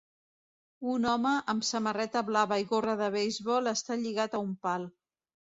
Un home amb samarreta blava i gorra de beisbol està lligat a un pal.